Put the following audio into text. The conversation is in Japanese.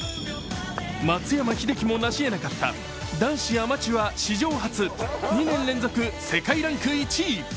松山英樹もなしえなかった男子アマチュア史上初２年連続世界ランク１位。